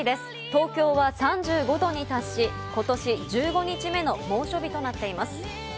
東京は３５度に達し、今年１５日目の猛暑日となっています。